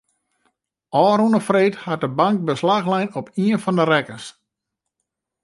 Ofrûne freed hat de bank beslach lein op ien fan de rekkens.